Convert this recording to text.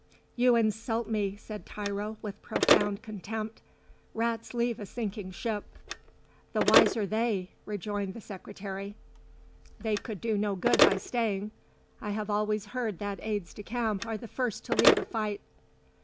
"You insult me," said Tiro with profound contempt. "Rats leave a sinking ship." "The wiser they," rejoined the Secretary; "they could do no good by staying. I have always heard that aides de camp are the first to leave a fight."